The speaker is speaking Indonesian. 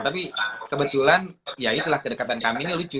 tapi kebetulan ya itulah kedekatan kami ini lucu